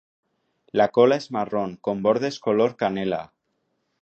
La cola es marrón con bordes color canela.